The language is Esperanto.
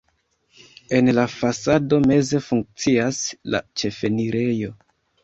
En la fasado meze funkcias la ĉefenirejo.